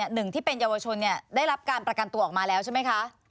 หนึ่งที่เป็นเยาวชนได้รับการประกันตัวออกมาแล้วใช่ไหมคะ